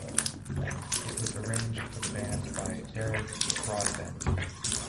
It was arranged for the band by Derek Broadbent.